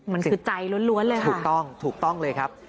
มันคือใจล้วนเลยค่ะถูกต้องถูกต้องเลยครับ